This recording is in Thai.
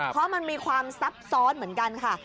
เพราะมันมีความซับซ้อนเหมือนกันค่ะ